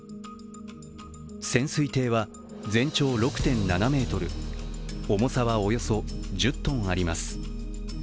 潜水艇は、全長６．７ｍ重さはおよそ１０ｔあります。